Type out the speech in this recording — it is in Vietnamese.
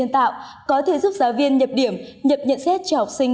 trần minh đức tám